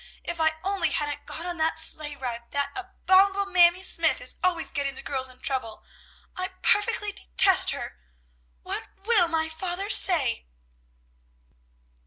If I only hadn't gone on that sleigh ride; that abominable Mamie Smythe is always getting the girls in trouble: I perfectly detest her. What will my father say?"